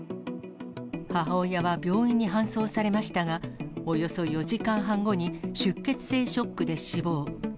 母親は病院に搬送されましたが、およそ４時間半後に出血性ショックで死亡。